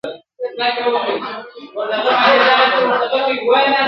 که څه هم په ډېر تلوار !.